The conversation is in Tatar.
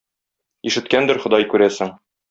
Ишеткәндер Ходай, күрәсең.